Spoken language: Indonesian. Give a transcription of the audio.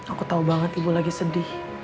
aku tahu banget ibu lagi sedih